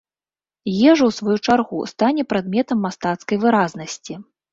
Ежа, у сваю чаргу, стане прадметам мастацкай выразнасці.